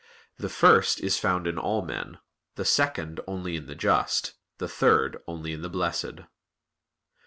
The first is found in all men, the second only in the just, the third only in the blessed.